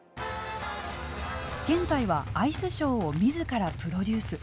現在はアイスショーを自らプロデュース。